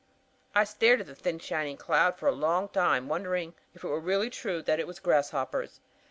"I stared at the thin shining cloud for a long time, wondering if it were really true that it was grasshoppers.